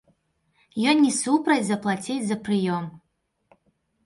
Ён не супраць заплаціць за прыём.